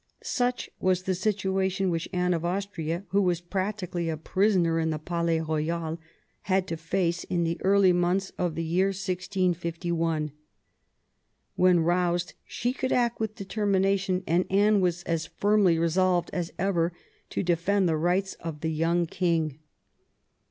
Such was the situation which Anne of Austria, who was practically a prisoner in the Palais Eoyal, had to face in the early months of the year 1651. When roused she could act with determination, and Anne was as firmly resolved as ever to defend the rights of the young king.